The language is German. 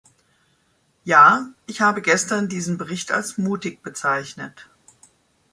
Ja, ich habe gestern diesen Bericht als mutig bezeichnet.